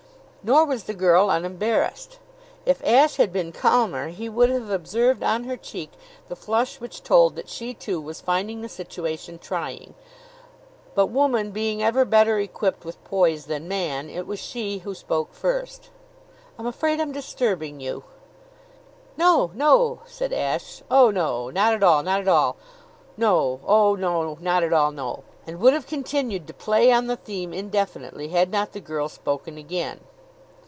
Nor was the girl unembarrassed. If Ashe had been calmer he would have observed on her cheek the flush which told that she, too, was finding the situation trying. But, woman being ever better equipped with poise than man, it was she who spoke first. "I'm afraid I'm disturbing you." "No, no!" said Ashe. "Oh, no; not at all not at all! No. Oh, no not at all no!" And would have continued to play on the theme indefinitely had not the girl spoken again.